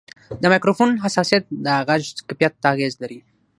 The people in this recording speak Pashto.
د مایکروفون حساسیت د غږ کیفیت ته اغېز لري.